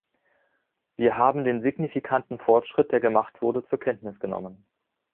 Wir haben den signifikanten Fortschritt, der gemacht wurde, zur Kenntnis genommen.